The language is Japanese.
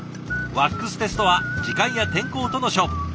ワックステストは時間や天候との勝負。